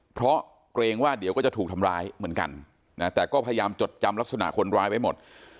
เพราะเกรงว่าเดี๋ยวก็จะถูกทำร้ายเหมือนกันนะแต่ก็พยายามจดจำลักษณะคนร้ายไว้หมด